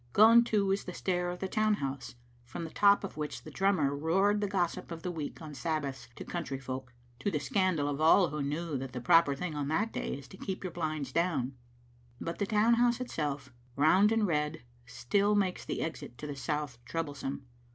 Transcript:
Gone, too, is the stair of the town house, from the top of which the drummer roared the gossip of the week on Sabbaths to country folk, to the scandal of all who knew that the proper thing on that day is to keep your blinds down; but the townhouse itself, round and red, still makes exit to the south troublesome.